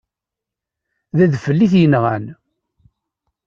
D adfel i t-yenɣan.